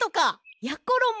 やころも